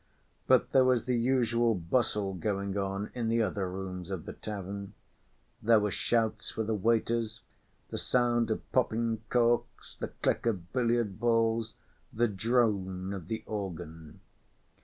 But there was the usual bustle going on in the other rooms of the tavern; there were shouts for the waiters, the sound of popping corks, the click of billiard balls, the drone of the organ.